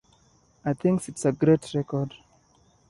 I think it's a great record.